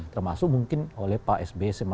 termasuk mungkin oleh pak sby